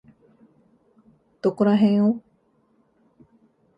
どこらへんを？